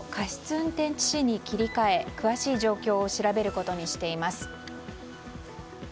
運転致死に切り替え詳しい状況を調べることにしています。